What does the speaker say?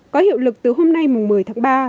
có hiệu lực từ hôm nay một mươi tháng ba